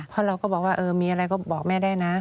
เพราะเราก็บอกว่าเออมีอะไรก็บอกแม่ได้นะ